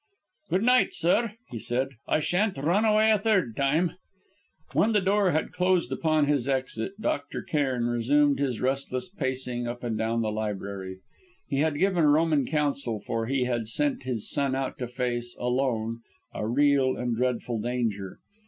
"Good night, sir," he said. "I shan't run away a third time!" When the door had closed upon his exit, Dr. Cairn resumed his restless pacing up and down the library. He had given Roman counsel, for he had sent his son out to face, alone, a real and dreadful danger.